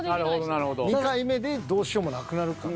２回目でどうしようもなくなるから。